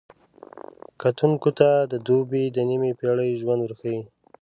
کتونکو ته د دوبۍ د نیمې پېړۍ ژوند ورښيي.